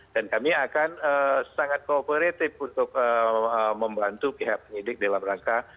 dan kami akan sangat kooperatif untuk membantu pihak penyidik di dalam langkah